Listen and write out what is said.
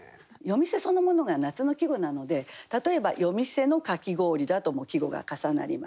「夜店」そのものが夏の季語なので例えば「夜店のかき氷」だと季語が重なります。